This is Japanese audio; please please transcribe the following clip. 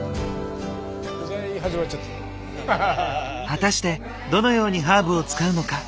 果たしてどのようにハーブを使うのか。